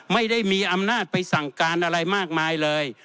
ไม่ได้มีอำนาจไปสั่งการอะไรมากมายเลย